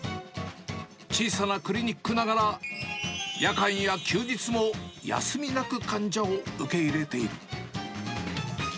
小さなクリニックながら、夜間や休日も休みなく患者を受け入れている。